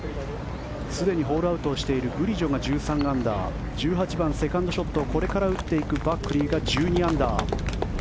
すでにホールアウトしているグリジョが１３アンダー１８番、セカンドショットをこれから打っていくバックリーが１２アンダー。